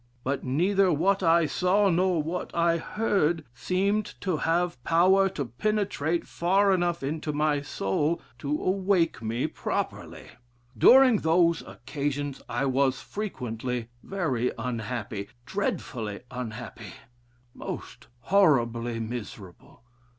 But neither what I saw nor what I heard seemed to have power to penetrate far enough into my soul to awake me properly. During those occasions, I was frequently very unhappy, dreadfully unhappy, most horribly miserable.